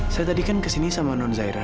saya tadi kan kesini sama nunzairah